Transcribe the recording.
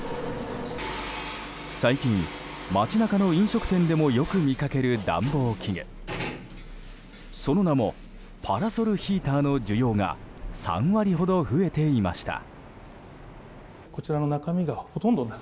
最近、街中の飲食店でもよく見かける暖房器具その名もパラソルヒーターの需要が３割ほど増えていました。